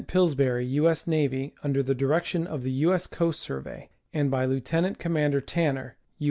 Pillsbury, U. S. N., under the direction of the U. S. Coast Survey, and by Lieutenant Com mander Tanner, U.